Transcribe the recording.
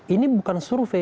ini bukan survei